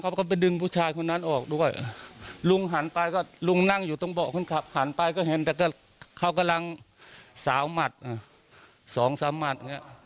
ลุงหนั้งอยู่ตรงเบาะขึ้นขับหันไปก็เห็นว่าเขากำลังสาวมัด๒๓มัด